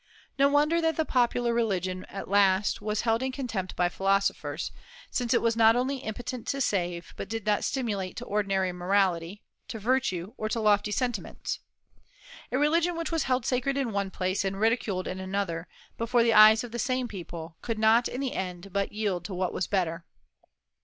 No wonder that the popular religion at last was held in contempt by philosophers, since it was not only impotent to save, but did not stimulate to ordinary morality, to virtue, or to lofty sentiments. A religion which was held sacred in one place and ridiculed in another, before the eyes of the same people, could not in the end but yield to what was better.